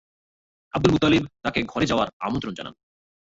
Abdul Muttalib তাঁকে ঘরে যাওয়ার আমন্ত্রণ জানান।